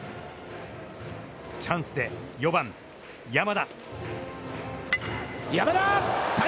チャンスで、４番山田。